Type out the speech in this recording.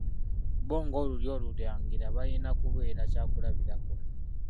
Bbo ng'Olulyo Olulangira balina kubeera kyakulabirako.